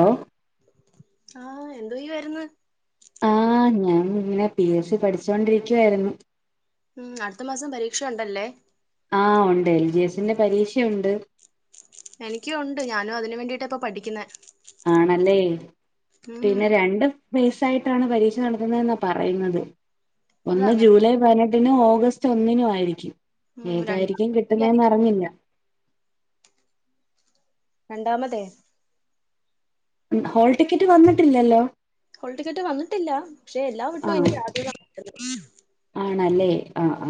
Law ആ എന്തോ ചെയ്യുവാര്ന്ന് ആ ഞാ ഇങ്ങനെ പി എസ് സി പഠിച്ചോണ്ടിരിക്കുവായിരുന്നു ഉം അടുത്ത മാസം പരീക്ഷ ഉണ്ടല്ലേ ആ ഉണ്ട് എൽ ജി എസിന്റെ പരീക്ഷയുണ്ട്. എനിക്കുണ്ട് ഞാനും അതിന് വേണ്ടിട്ട ഇപ്പ പഠിക്കുന്നെ ആണല്ലേ പിന്നെ രണ്ടും ബേസായിട്ടാണ് പരീക്ഷ നടത്തുന്നെന്നാണ് പറയുന്നത് അത് ഒന്ന് അങ്ങനെ ജൂലൈ പതിനെട്ട് ഓഗസ്റ്റ് ഒന്നിനും ആയിരിക്കും ഉം ഏതായിരിക്കും രണ്ടാമ കിട്ടുന്നെന്ന് അറിഞ്ഞില്ല രണ്ടാമതേ ഹോൾ ടിക്കറ്റ് വന്നിട്ടില്ലല്ലോ ഹോൾ ടിക്കറ്റ് വന്നിട്ടില്ല പക്ഷെ എല്ലാ വെട്ടോം ആഹ് എനിക്ക് ആദ്യം [unintelligible] ആ ആ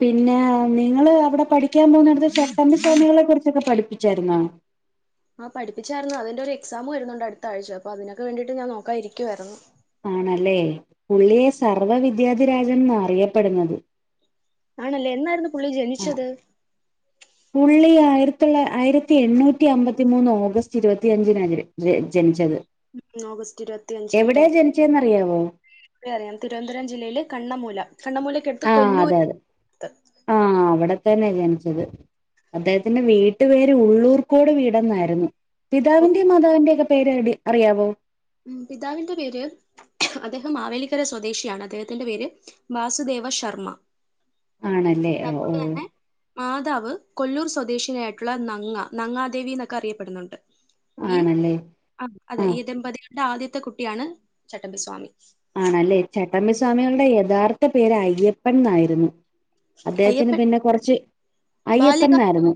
പിന്നെ നിങ്ങള് അവിടെ പഠി പഠിക്കാൻ പോന്നടുത്ത് ചട്ടമ്പി സ്വാമികളെ കുറിച്ചൊക്കെ പഠിപ്പിച്ചായിരുന്ന ആ പഠിപ്പിച്ചായിരുന്നു അതിന്റെ ഒരു എക്സാം വരുന്നുണ്ട് അടുത്ത ആഴ്ച അപ്പൊ അതിനൊക്കെ വേണ്ടിട്ട് ഞാൻ നോക്കാ ഇരിക്കുവായിരുന്നു ആണല്ലേ പുള്ളിയെ സർവ്വ വിദ്യാധിരാജൻ എന്ന അറിയപ്പെടുന്നത് ആണല്ലേ എന്നായിരുന്നു പുള്ളി ജനിച്ചത് പുള്ളി ആയിരത്തില് ആയിരത്തി എണ്ണൂറ്റി അമ്പത്തി മൂന്ന് ഓഗസ്റ്റ് ഇരുപത്തി അഞ്ചിനാണ് ജനിച്ചത് ഉം ഓഗസ്റ്റ് ഇരുപത്തിയഞ്ച് മറ്റെ എവിടെയാ ജനിച്ചേന്നറിയാവോ അറിയാം തിരുവനന്തപുരം ജില്ലയില് കണ്ണമൂല കണ്ണൂമൂല ആ അതെ അതെ ആ അവിടെ തന്നെ ജനിച്ചത് അദ്ദേഹത്തിന്റെ വീട്ടു പേര് ഉള്ളൂർക്കോട് വീടെന്നായിരുന്നു പിതാവിന്റെയും മാതാവിന്റെ ഒക്കെ പേര് അറിയാവോ പിതാവിന്റെ പേര് അദ്ദേഹം മാവേലിക്കര സ്വദേശിയാണ് അദ്ദേഹത്തിന്റെ പേര് വാസുദേവ ദേവ ശർമ്മ ആണല്ലേ ഓ ഓ നേതാവ് കൊല്ലൂർ സ്വദേശിനിയ ആയിട്ടുള്ള നങ്ങ നങ്ങാദേവി എന്നൊക്കെ അറിയപ്പെടുന്നുണ്ട് ഈ ആണല്ലേ ആ അതെ ആഹ് ഈ ദമ്പതികളുടെ ആദ്യത്തെ കുട്ടിയാണ് ചട്ടമ്പിസ്വാമി ആണല്ലേ ചട്ടമ്പി സ്വാമികളുടെ യഥാർത്ഥ പേര് അയ്യപ്പൻ എന്നായിരുന്നു അദ്ദേഹത്തിന് അയ്യപ്പൻ പിന്നെ കുറച്ച് അയ്യപ്പൻ ബാല്യകാല എന്നായിരുന്നു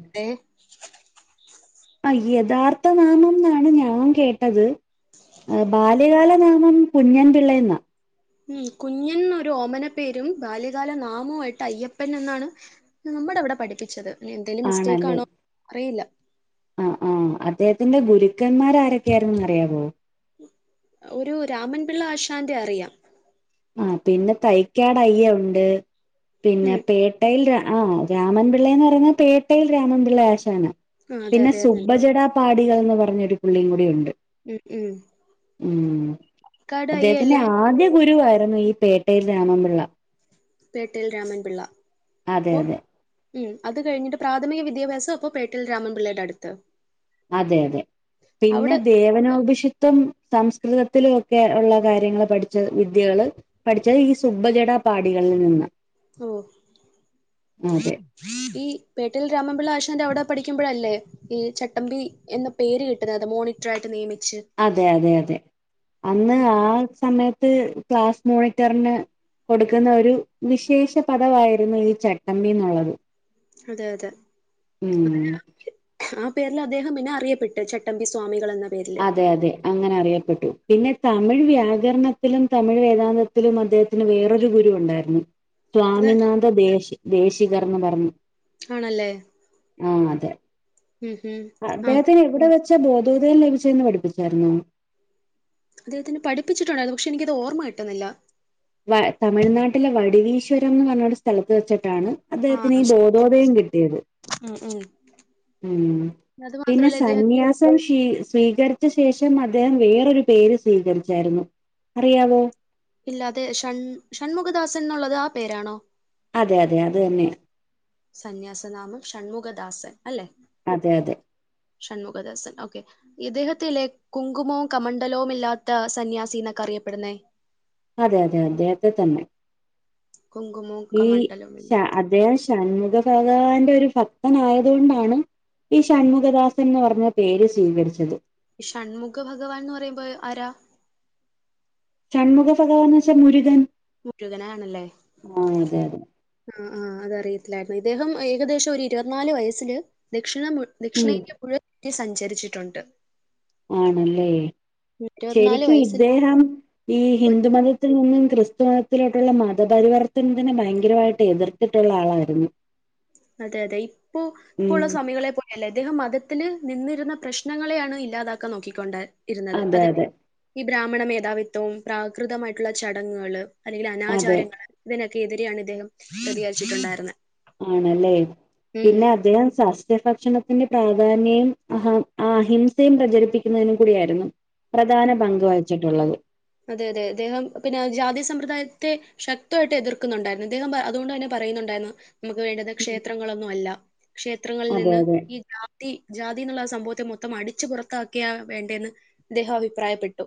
ആ യഥാർത്ഥ നാമം എന്നാണ് ഞാൻ കേട്ടത് ബാല്യകാല നാമം കുഞ്ഞൻപിള്ള എന്നാ ഉം കുഞ്ഞൻ ഒരു ഓമന പേരും ബാല്യകാല നാമമായിട്ട് അയ്യപ്പൻ എന്നാണ് നമ്മുടെ ഇവിടെ പഠിപ്പിച്ചത്. ഇനി എന്തേങ്കിലും മിസ്റ്റേക്കാണോ അറിയില്ല. ആ ആ അദ്ദേഹത്തിന്റെ ഗുരുക്കന്മാര ആരൊക്കെയായിരുന്നു അറിയാവോ? ഒരു രാമൻപിള്ള ആശാന്റെ അറിയാം. ആ പിന്നെ തൈക്കാട് അയ്യ ഉണ്ട്. പിന്നെ ഉം പേട്ടയിൽ ആ രാമൻപിള്ളന്ന് പറയണേ പേട്ടയിൽ രാമൻപിള്ള ആശാനാ ആ അതെ പിന്നെ അതെ അതെ സുബജട പാടികൾന്ന് പറഞ്ഞൊരു പുള്ളിയും കൂടി ഉണ്ട്. ഉം ഉം ഉം കാട് അദ്ദേഹത്തിന്റെ അയ്യല്ലേ ആദ്യ ഗുരുവായിരുന്നു ഈ പേട്ടയിൽ രാമൻപിള്ള. പേട്ടയിൽ രാമൻപിള്ള. അതെ അതെ. ഉം. അത് കഴിഞ്ഞിട്ട് പ്രാഥമിക വിദ്യാഭ്യാസം ഇപ്പോ പേട്ടൽ രാമൻപിള്ളയുടെ അടുത്ത്. അതെ അതെ പിന്നെ അവിടെ ദേവനോപിഷിത്തം സംസ്കൃതത്തിലൊക്കെ ഉള്ള കാര്യങ്ങൾ പഠിച്ച വിദ്യകള് പഠിച്ചത് ഈ സുബ്ബജട പാടികൾ. [unintelligible] ഓ അതെ ഈ പേട്ടയിൽ രാമൻപിള്ള ആഷ എന്റെ അവിടെ പഠിക്കുമ്പോഴല്ലേ ഈ ചട്ടമ്പി എന്ന പേര് കിട്ടുന്നത്. അത് മോണിറ്റർ ആയിട്ട് നിയമിച്ചു അതെ അതെ അതെ. അന്ന് ആ സമയത്ത് ക്ലാസ് മോണിറ്ററിന് കൊടുക്കുന്ന ഒരു വിശേഷ പദവായിരുന്നു ഈ ചട്ടമ്മി എന്നുള്ളത്. അതെ അതെ. ഉം പേരിൽ അദ്ദേഹം പിന്നെ അറിയപ്പെട്ട്. ചട്ടമ്പി സ്വാമികളെന്ന്. അതെ അതെ. അങ്ങനെ അറിയപ്പെട്ടു. പിന്നെ തമിഴ് വ്യാകരണത്തിലും തമിഴ് വേദാന്തത്തിലും അദ്ദേഹത്തിന് വേറൊരു ഗുരു ഉണ്ടായിരുന്നു. അത സ്വാമിനാഥ ദേശി ദേശികർന്ന് ബർണു. ആണല്ലേ. ആ അതെ. ഉം ഉം ആ അദ്ദേഹത്തിന് എവിടെ വെച്ചാ ബോധോധയം ലഭിച്ച ന്ന് പഠിപ്പിച്ചായിരുന്നു. അദ്ദേഹത്തിനെ പഠിപ്പിച്ചിട്ടുണ്ടായിരുന്നു. പക്ഷെ എനിക്കത് ഓർമ്മ കയിട്ടുന്നില്ല. വ തമിഴ്നാട്ടിലെ വടിവീശ്വരം എന്ന് പറഞ്ഞൊ ഒരു സ്ഥലത്ത് വെച്ച. ച്ചാണ് ആ അദ്ദേഹത്തിന് ശരി ശരി ബോധോതയം കിട്ടിയത്. ഉം ഉം ഉം. അത് പിന്നെ മാത്രമല്ല ഇദ്ദേഹം സന്യാസം സ്വീക ശേഷം അദ്ദേഹം വേറൊരു പേര് സ്വീകരിച്ചായിരുന്നു അറിയാവോ? ഇല്ല. അതെ ഷൺ ഷൺമുഖദാസൻ എന്നുള്ളത് ആ പേരാണോ? അതെ അതെ. അത് തന്നെയ. സന്യാസനാമം ഷൺമുഖദാസൻ അല്ലെ. അതെ അതെ. ഷൺമുഖദാസൻ ഓക്കെ. ഇദ്ദേഹത്തിലെ കുങ്കുമോ കമണ്ഡലവും ഇല്ലാത്ത സന്യാസീന്നക്കെ അറിയപ്പെടുന്നേ അതെ അതെ. അദ്ദേഹത്തെ തന്നെ. കുങ്കുമോ ക ഈ മണ്ഡലം ശ മില്ലത്തം. അദ്ദേഹം ഷൺമുഖ ഭഗവാന്റെ ഒരു ഭക്തൻ ആയതുകൊണ്ടാണ്. ഈ ഷൺമുഖദാസന്ന് പറഞ്ഞ പേര് സ്വീകരിച്ചത്. ഷണ്മുഖ ഭഗവാൻന്ന് പറയുമ്പോ ആരാ? ചൺമുഖ ഭഗവാനച്ച മുരുഖൻ. മുരുകനാണല്ലേ. അതെ ആ ആ. അതറിയ. മായിരുന്നു. ഇദ്ദേഹം ഏകദേശം ഒരു ഇരുപത്തിനാല് വയസ്സിൽ ഉം ദക്ഷിണേന്ത്യ മുഴുവ സഞ്ചരിച്ചിട്ടുണ്ട് ആണല്ലേ. ഇരുപത്തിനാല് ശരിക്കും വയസ്സിൽ ഇദ്ദേഹം ഈ ഒര് ഹിന്ദുമതത്തിൽ നിന്നും ക്രിസ്തുമത ത്തിലോട്ടുള്ള മതപരിവർത്തനത്തിന് ഭയങ്കരമായിട്ട് എതിർത്തിട്ടുള്ള ആളായിരുന്നു. അതെ അതെ. ഇപ്പൊ ഉം ഇപ്പള്ള സ്വാമികളെ പോലെയല്ല. അദ്ദേഹം മതത്തില് നിന്നിരുന്ന പ്രശ്നങ്ങളെയാണ് ഇല്ലാതാക്കാൻ നോക്കിക്കൊണ്ട് ഇരുന്നത് അതെ അത അതെ ബ്രാഹ്മണ മേധാവിത്വവും പ്രാകൃതമായിട്ടുള്ള ചടങ്ങുകൾ അല്ലെങ്കിൽ അതെ അനാചാരങ്ങൾ ഇതിനക്കെ െതിരെയാണ് ഇദ്ദേഹം പ്രതികാരിച്ചിട്ടുണ്ടായിരുന്നത് ആണല്ലേ പിന്നെ അദ്ദേഹം ത്്യഭക്ഷണത്തിന്റെ പ്രാധാന്യയും അഹ അഹിംസയും പ്രചരിപ്പിക്കുന്നതിനും കൂടിയായിരുന്നു പ്രധാന പങ്ക് വഹിച്ചിട്ടുള്ളത് അതെ അതെ അദ്ദേഹം പിന്നെ ജാതിയ സമ്പ്രദായത്തെ ശക്തമായിട്ട് എതിർക്കുന്നുണ്ടായിരുന്നു അദ്ദേഹം അതുകൊണ്ട് തന്നെ പറയുന്നുണ്ടായിരുന്നു നമുക്ക് വേണ്ടത് ഉം. ക്ഷേത്രങ്ങളൊന്നും അല്ല ക്ഷേത്രങ്ങളിൽ അതെ നിന്ന് അതെ ഈ ജാതി എന്നുള്ള സംഭവത്തെ മൊത്തം അടിച്ചു പുറത്താക്കിയ വേണ്ടെന്ന് അദ്ദേഹം അഭിപ്രായപ്പെട്ടു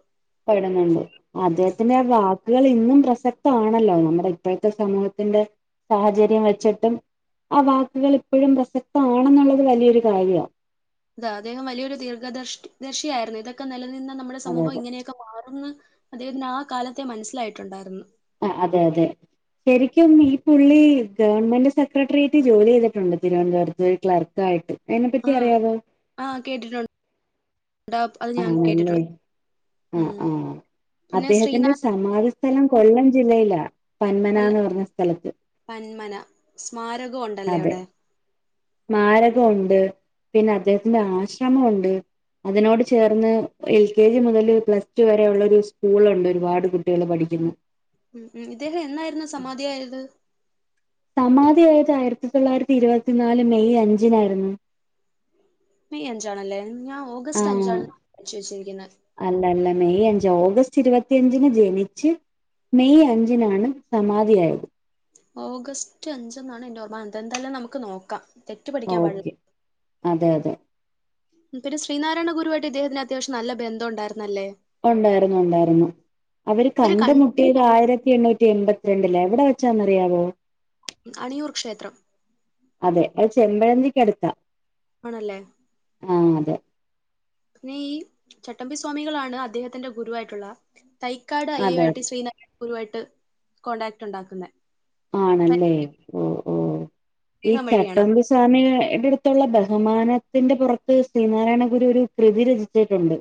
അദ്ദേഹത്തിന്റെ വക്കുകൾ ഇന്നും പ്രസക്തമാണല്ലോ നമ്മുടെ ഇപ്പോഴത്തെ സമൂഹത്തിന്റെ സാഹചര്യം വെച്ചിട്ടും ആ വാക്കുകൾ ഇപ്പോഴും പ്രസക്തമാണെന്നുള്ളത് വലിയൊരു കാര്യവും അതാ അദ്ദേഹം വലിയൊരു ദീർഘദർഷി ദർശിയായിരുന്നു ഇതൊക്കെ നിലനിന്ന നമ്മുടെ അതെ സമൂഹം അതെ ഇങ്ങനെയൊക്കെ മാറുന്നു അദ്ദേഹത്തിന് ആ കാലത്തെ മനസ്സിലായിട്ടുണ്ടായിരുന്നു ആ അതെ അതെ ശരിക്കും ഈ പുള്ളി ഗവൺമെന്റ് സെക്രട്ടറിയേറ്റ് ജോലി ചെയ്തിട്ടുണ്ട് തിരുവനന്തപുരത്ത് ഒരു ക്ലർക്ക ആയിട്ട് അെ പറ്റി ആഹ് അറിയാവോ ആഹ് കേട്ടിട്ടുണ്ട്. ഉണ്ടാവും അത് ഞാൻ ആണല്ലേ. കേട്ടിട്ടുണ്ട് ആ ഉം ആഹ പിന്നെ അദ്ദേഹത്തിന്റെ ശ്രീനാഥ് സമാധിസ്ഥലം കൊല്ലം ജില്ലയിലാ കൊല്ല പന്മനന്ന് പറഞ്ഞ സ്ഥലത്ത് വന്മന സ്മാരകം ഉണ്ടല്ലേ അതെ അവിടെ മരകമുണ്ട് പിന്നെ അദ്ദേഹത്തിന്റെ ആശ്രമംുണ്ട് അതിനോട് ചേർന്ന് എൽ കെ ജി മുതല് പ്ലസ് ടു വരെയ ഉള്ള ഒരു സ്കൂളുണ്ട് ഒരുപാട് കുട്ടികൾ പഠിക്കുന്നു ഉം ഉ ഇദ്ദേഹം എന്നായിരുന്നു സമാധിയായത് അത് ആയിരത്തി തൊള്ളായിരത്തി ഇരുപത്തി നാല് മെയ് അഞ്ചിനായിരുന്നു മെയ് അഞ്ചാണല്ലേ ഞാൻ ആ ഓഗസ്റ്റ് അഞ്ചാണ് [unintelligible] വെച്ചിരിക്കുന്നത് അല്ല അല്ല മെയ് അഞ്ച് ഓഗസ്റ്റ് ഇരുപത്തിയഞ്ചിന് ജനിച്ച്- മെയ് അഞ്ചിനാണ് സമാധിയായത് ഓഗസ്റ്റ് അഞ്ച എന്നാണ് എന്റെ ഓർമ്മ. അതെന്തായാലും നമുക്ക് നോക്കാം തെറ്റ് പഠിക്കാൻ പാടി ഓക്കെ അതെ അതെ ശ്രീനാരായണ ഗുരുവായിട്ട് ഇദ്ദേഹത്തിന് അത്യാവശ്യം നല്ല ബന്ധ ഉണ്ടായിരുന്നല്ലേ ഒണ്ടായിരുന്നു ഒണ്ടായിരുന്നു അവര് ഇവര് കണ്ട് കൺ മുട്ടിയത് ആയിരത്തി എണ്ണൂറ്റി റ്റി എൺമ്പത്തി രണ്ട്ലാ എവിടെ വെച്ചാന്ന് അറിയാവോ? അണിയൂർ ക്ഷേത്രം അതെ അത് ചെമ്പഴന്തിക്ക് അട്ത്താ ആണല്ലേ? ആഹ് അതെ പിന്നെ ഈ ചട്ടമ്പി സ്വാമികളാണ് അദ്ദേഹത്തിന്റെ ഗുരുവായിട്ടുള്ള തൈക്കാട് അയ്യ അതെ ആയിട്ട് ശ്രീനാരായണ ഗുരു ആയിട്ട് കോണ്ടാക്ട് ഉണ്ടാക്കുന്നെ ആണല്ലേ ഓ ഓ ഈ പരിഗ്രഹം വഴിയാണ് ചട്ടമ്പി സ്വമികളെ എടെ അട്ത്തുള്ള ബഹുമാനത്തിന്റെ പോറത്ത് ശ്രീനാരായണ ഗുരു ഒരു കൃതി രചിച്ചിട്ടുണ്ട്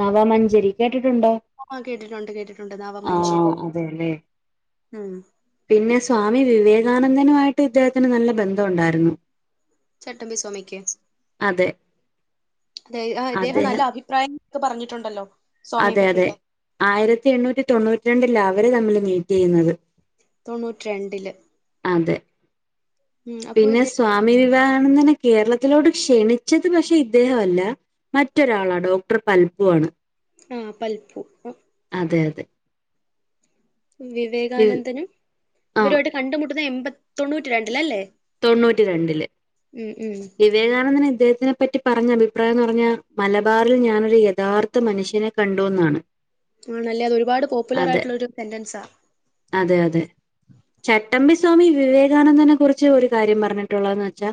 നവമഞ്ചരി കേട്ട്ട്ടുണ്ടോ? ആഹ് കേട്ടിട്ടുണ്ട് കേട്ടിട്ടുണ്ട് നാവമഞ്ചരി ആഹ് അതെ ലെ ഉം പിന്നെ സ്വാമി വിവേകാനന്ദനുമായിട്ട് ഇദ്ദേഹത്തിന് നല്ല ബന്ധം ഉണ്ടായിരുന്നു. ചട്ടമ്പി സ്വാമിക്ക് അതെ അ ഇദ്ദേഹം നല്ല അദ്ദേഹം അഭിപ്രായം പറഞ്ട്ടുണ്ടല്ലോ അതെ അതെ ആയിരത്തി എണ്ണൂറ്റി തൊണ്ണൂറ്റി രണ്ടിലാ അവര് തമ്മില് മീറ്റ് യ്യ്ന്നത് തൊണ്ണൂറ്റ് രണ്ടില് ഉം അപ്പൊ പിന്നെ ഇത് സ്വാമി വിവേ ന്നെനെ കേരളത്തിലോട്ട് ക്ഷണിച്ചത് പക്ഷെ ഇദ്ദേഹ അല്ല. മറ്റൊരാളാ ഡോക്ടർ പൽപ്പോ ആണ് ആഹ് പൽപ്പൂ തെയതെ. വിവേകാനന്ദനും ആ ഇവരുമായിട്ട് കണ്ടുമുട്ടുന്ന എൺമ്പ തൊണ്ണൂറ്റി രണ്ടില് അല്ലേ? തൊണ്ണൂറ്റി രണ്ടില്. ഉം വിവേകാനന്ദന് ഇദ്ദേഹത്തിന് പറ്റി പറഞ്ഞ അഭിപ്രായംന്ന് പറഞ്ഞാ മലബാറിൽ ഞാനൊരു യഥാർത്ഥ മനുഷ്യനെ കണ്ടുന്നാണ്. ആണല്ലേ അത് ഒരുപാട് പോപ്പുലർ ആയിട്ടുള്ള ഒരു സെന്റൻസാ. അതെ അതെ ചട്ടമ്പി സ്വാമി വിവേകാനന്ദനെ കുറിച്ച് ഒരു കാര്യം പറഞ്ഞിട്ടുള്ളതെന്ന് വെച്ചാ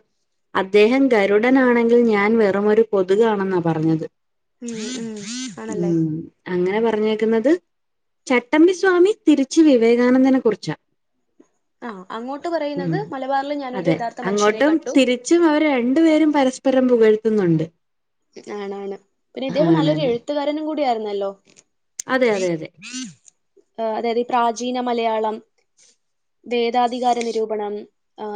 അദ്ദേഹം ഗരുഡനാണെങ്കിൽ ഞാൻ വെറുമൊരു കൊതുകാണെന്നാ പറഞ്ഞത്. ഉം ഉം ആണല്ലേ ഉം അങ്ങനെ പറ ഞ്ഞേക്കുന്നത് ചട്ടമ്പി സ്വാമി തിരിച്ച് വിവേകാനന്ദനെ കുറിച്ചാ. ആഹ് അങ്ങോട്ട് ഉം പറയുന്നത് മലബ അതെ അങ്ങോട്ടും തിരിച്ചും അവര് രണ്ടു പേരും പരസ്പരം പുകഴ്ത്തുന്നുണ്ട്. ആണാണ് പിന്നെ ഇദ്ദേഹം നല്ലൊരു ആണല്ലേ എഴുത്തുകാരനും കൂടി ആയിരുന്നല്ലോ. അതെ അതെ അതെ ഏഹ് അതായത് പ്രാചീന മലയാളം, വേദാധികാര നിരൂപണം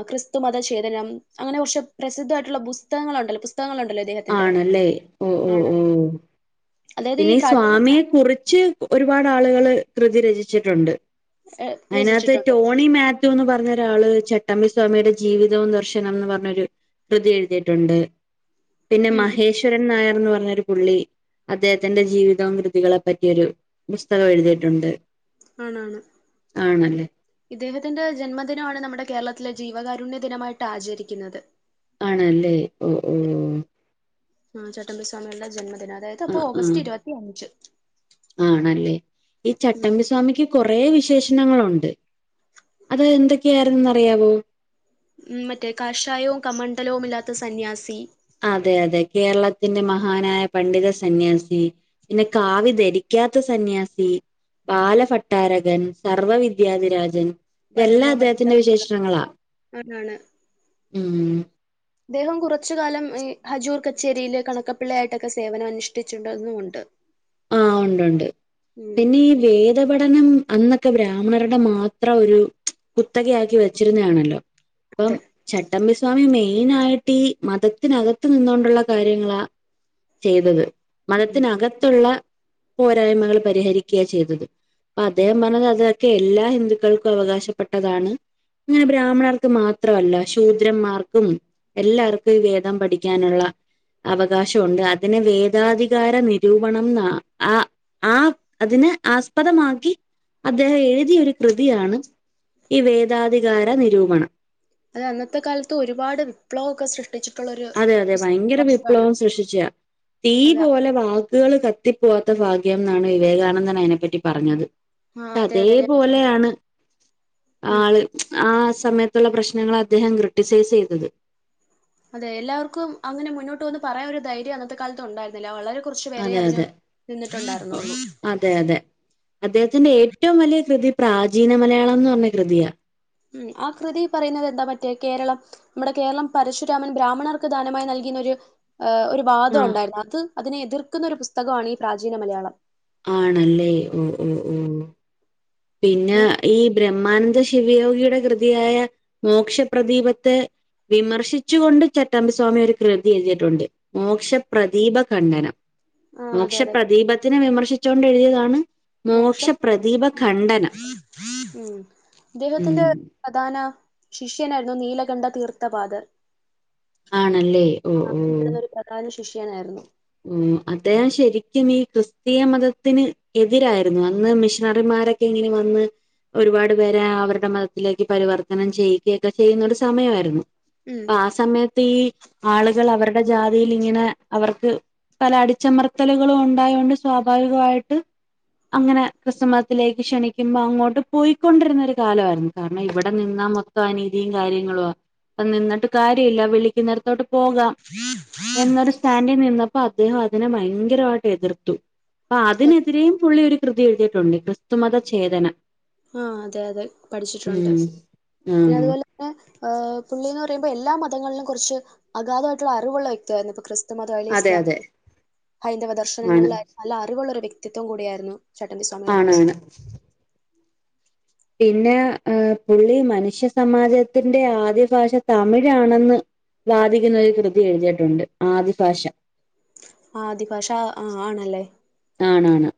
ക്രിസ്തു മതഛേദനം അങ്ങനെ കുറച്ച് പ്രസിദ്ധമായിട്ടുള്ള പുസ്തകങ്ങളുണ്ടല്ലോ പുസ്തകങ്ങളുണ്ടല്ലോ ഇദ്ദേഹത്തിന്റെ ല്ലെ ഓ ഓ ആണ്. ഓഹ് അതായത് പിന്നെ ഈ പ്രാചീന സ്വാമിയെ കുറിച്ച് ഒരുപാട് ആളുകള് കൃതി രചിച്ചിട്ടുണ്ട്. ഏഹ് അതിനകത്ത് രചിച്ചിട്ടുണ്ട്. ടോണി മാ ത്യുന്ന് പറഞ്ഞ ഒരാള് ചട്ടമ്പി സ്വാമിയുടെ ജീവിതവും ദർശനംന്ന് പറഞ്ഞൊരു കൃതി എഴുതിയിട്ടുണ്ട്, പിന്നെ ഉം ഉം മഹേശ്വരൻ നായർ എന്ന് പറഞ്ഞൊരു പുള്ളി അദ്ദേഹത്തിന്റെ ജീവിതവും കൃതികളെ പറ്റിയൊരു പുസ്തകം എഴുതിയിട്ടുണ്ട്. ആണാണ് ആണല്ലേ ഇദ്ദേഹത്തിന്റെ ജന്മദിനമാണ് നമ്മുടെ കേരള ത്തിലെ ജീവകരുണ്യ ദിനമായിട്ട് ആചരിക്കുന്നത്. ആണല്ലേ ഓ ഓ ഓ ആ ചട്ടമ്പിസ്വാമിയുടെ ജന്മദിനം അതായത് ആ അപ്പൊ ആ ഓഗസ്റ്റ് ഇരുപത്തി അഞ്ച് ആണല്ലേ ഈ ഉം ചട്ടമ്പി സ്വാമിക്ക് കൊറെ വി വിശേഷണങ്ങളുണ്ട് അത് എന്തൊക്കെ ആയിരുന്നുന്ന് അറിയാമോ ഉ മറ്റേ കാഷായവും കമണ്ഡലവും ഇല്ലാത്ത സന്യാസി ന്റെ മഹാനായ പണ്ഡിത സന്യാസി പിന്നെ കാവി ധരിക്കാത്ത സന്യാസി ബാലഭട്ടാരകൻ സർവ വിദ്യാധിരാജൻ ഇതെല്ലാം പരമഭട്ട അദ്ദേഹത്തിന്റെ വിശേഷണങ്ങളാ ആണാണ്. ഉം അദ്ദേഹം കുറച്ച കാലം ഈ ഹജൂർ കച്ചേരിയിലെ കണക്കപ്പിള്ളയായിട്ടൊക്കെ സേവനം അനുഷ്ഠിച്ചിട്ടതുണ്ട് ആ ഒണ്ട് ഒണ്ട് പിന്നെ ഈ വേദപഠനം അന്നൊക്കെ ബ്രാഹ്മണരുടെ മാത്രം ഒരു കുത്തകയാക്കി വെച്ചിരുന്നയാണല്ലോ ഇപ്പം അതെ ചട്ടമ്പിസ്വ സ്വാമി മെയിനായിട്ട് ഈ മതത്തിനകത്ത് നിന്നോണ്ടുള്ള കാര്യങ്ങളാ ചെയ്തത് ഉം മതത്തിനകത്തുള്ള പോരായ്മകൾ പരിഹരിക്ക ചെയ്തത് അദ്ദേഹം പറഞ്ഞത് അതൊക്കെ എല്ലാ ഹിന്ദുക്കൾക്കും അവകാശപ്പെട്ടതാണ് അങ്ങനെ ബ്രാഹ്മണമാർക്ക് മാത്രമല്ല ശൂദ്രന്മാർക്കും എല്ലാവർക്കും ഈ വേദം പഠിക്കാനുള്ള അവകാശൊണ്ട് അതിന് വേദാധികാര രൂപണം ന ആ ആ അതിനെ ആസ്പദമാക്കി അദ്ദേഹം എഴുതിയ ഒരു കൃതിയാണ് ഈ വേദാധികാര നിരൂപണം അത് അന്നത്തെ കാലത്ത് ഒരുപാട് വിപ്ലവോക്കെ സൃഷ്ടിച്ചിട്ട അതെ അതെ ഭയങ്കര വിപ്ലവം സൃക്ഷിച്ച തീ അതാ പോലെ വ വക്കുകള് കത്തിപ്പോവാത്ത ഭാഗ്യം എന്നാണ് വിവേകാനന്ദൻ അതിനെപ്പറ്റി പറഞ്ഞത് ആഹ് അതെ അതെ ഞാൻ അതേപോലെയാണ് ഉം ആള് ആ സമയത്തുള്ള പ്രശ്നങ്ങള് അദ്ദേഹം ക്രിട്ടിസൈസ് ചെയ്തത് അതെ എല്ലാവർക്കും അങ്ങനെ മുന്നോട്ട് വന്ന് പറയാൻ ഒരു ധൈര്യം അന്നത്തെ കാലത്ത്ഉണ്ടായിരുന്നില്ല വളരെ കുറച്ചു പേരെ അതെ അതിന് അതെ നിന്നിട്ടുണ്ടായിരുന്നുള്ളു അതെ അതെ അദ്ദേഹത്തിന്റെ ഏറ്റവും വലിയ കൃതി പ്രാചീന മലയാളംന്ന് പറഞ്ഞ കൃതിയാ ഉ ആ കൃതി പറയുന്നത് എന്താ പറ്റേ കേരളം നമ്മുടെ കേരളം പരശുരാമൻ ബ്രാഹ്മണർക്ക് ദാനമായി നൽകി ഒരു വാദം ആഹ് ഉണ്ടായിരുന്നു അത് അതിനെ എതിർക്കുന്ന ഒരു പുസ്തകമാണ് ഈ പ്രാചീന മലയാളം ആണല്ലേ ഓ ഓ ഓ പിന്നെ ഈ ബ്രഹ്മ ബഹ്മാനന്ദ ശിവയോഗിയുടെ കൃതിയായ മോക്ഷപ്രദീപത്തെ വിമർശിച്ചുകൊണ്ട് ചട്ടാമ്പിസ്വാമി ഒരു കൃതി എഴുതിട്ടുണ്ട് മോക്ഷപ്രദീപഖണ്ഡനം ആഹ് അതെ അതെ മോക്ഷപ്രദീപത്തിനെ വിമർശിച്ചൊണ്ട് എഴുതിയതാണ് മോക്ഷപ്രദീപ ഖണ്ഡനം ഉ അദ്ദേഹത്തിന്റെ ഉം പ്രധാന ശിഷ്യനായിരുന്നു നീലകണ്ഠ തീർത്ഥവാദർ ആണല്ലേ ഓ ഓ പ്രധാന ശിഷ്യനായിരുന്നു ഓ അദ്ദേഹം ശരിക്കും ഈ ക്രിസ്തീയ മതത്തിന് എതിരായിരുന്നു അന്ന് മിഷനറിമാർ രൊക്കെ ഇങ്ങനെ വന്ന് ഒരുപാട് പേരെ അവരുടെ മതത്തിലേക്ക് പരിവർത്തനം ചെയ്യുകയൊക്കെ ചെയ്യുന്ന ഒരു സമയമായിരുന്നു ഉം അപ്പൊ ആ സമയത്ത് ഈ ആളുകൾ അവരുടെ ജാതിയിൽ ഇങ്ങനെ അവർക്ക് പല അടിച്ചമർത്തലുകളും ഉണ്ടായോണ്ട് സ്വാഭാവികമായിട്ട് അങ്ങനെ ക്രിസ്തുമതത്തിലേക്ക് ക്ഷണിക്കുമ്പോ അങ്ങോട്ട് പോയിക്കൊണ്ടിരുന്ന ഒരു കാലമായിരുന്നു കാരണം ഇവിടെ നിന്ന മൊത്തം അനീതിയും കാര്യങ്ങളും അപ്പ നിന്നിട്ട് കാര്യല്ല വിളിക്കുന്നടുത്തോട്ട് പോകാം എന്നൊരു സ്റ്റാൻഡിൽ നിന്ന അപ്പ അദ്ദേഹം അതിനെ ഭയങ്കരമായിട്ട് എതിർത്തു അപ്പൊ അതിനെതിരെയും പുള്ളി ഒരു കൃതി എഴുതിയിട്ടുണ്ട് ക്രിസ്തുമതചേതന ആ അതെ അതെ പഠിച്ചിട്ടുണ്ട് പിന്നെ ഉം അതുപോലെ തന്നെ പുള്ളി എന്ന് പറയുമ്പോ എല്ലാ മതങ്ങളിലും കുറച്ച് അഗാധമായിട്ടുള്ള അറിവുള്ള വ്യക്തിയായിരുന്നു ഇപ്പൊ ക മതം അല്ല അതെ ഇസ്ലാ അതെ ഹൈന്ദവ ആണ് ദർശനങ്ങളില നല്ല അറിവുള്ളൊരു വ്യക്തിത്വം കൂടിയായിരുന്നു ചട്ടമ്പി സ്വാമികൾന്ന് പറയാ ആണാണ് പിന്നെ ഏർ പുള്ളി മനുഷ്യ സമാജത്തിറെ ആദ്യ ഭാഷ തമിഴാണെന്ന് വാധിക്കുന്ന ഒരു കൃതി എഴുതിയിട്ടുണ്ട് ആദിഭാഷ ആ ആദിഭാഷ ആ ആണല്ലേ ആണാണ്